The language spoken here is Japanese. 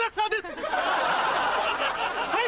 はい！